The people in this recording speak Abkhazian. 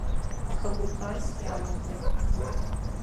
Аха гәыбӷанс иамоузеи.